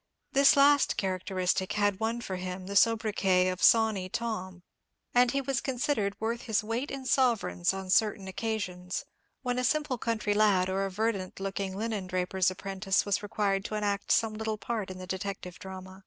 This last characteristic had won for him the sobriquet of Sawney Tom, and he was considered worth his weight in sovereigns on certain occasions, when a simple country lad or a verdant looking linen draper's apprentice was required to enact some little part in the detective drama.